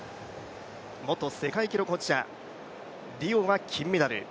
元世界記録保持者、リオは金メダル。